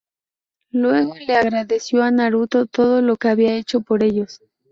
Luego le agradeció a Naruto todo lo que habían hecho por ellos.